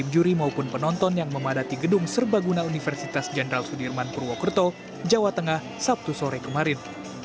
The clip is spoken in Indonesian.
penjuri maupun penonton yang memadati gedung serbaguna universitas jenderal sudirman purwokerto jawa tengah sabtu sore kemarin